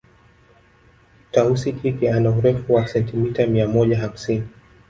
Tausi jike ana Urefu wa sentimita mia moja hamsini